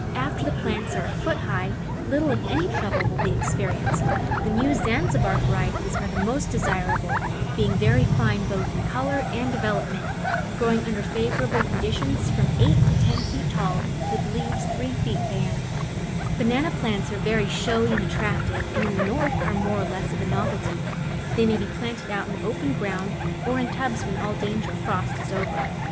After the plants are a foot high, little if any trouble will be experienced. The newer Zanzibar varieties are the most desirable, being very fine both in colour and development, growing Digitized by Google. a* 3 Digitized by Google Digitized by Google Twelve] ^blfoge JKants hs under favourable conditions from eight to ten feet tall with leaves three feet in diameter. Banana plants are very showy and attractive and in the North are more or less of a novelty. They may be planted out in the open ground or in tubs when all danger of frost is over.